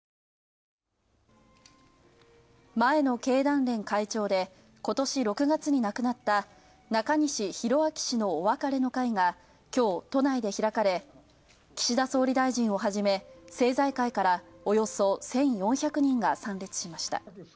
前の経団連会長で、ことし６月に亡くなった中西宏明氏のお別れの会がきょう都内で開かれ、岸田総理大臣をはじめ政財界からおよそ１４００人が参列しました。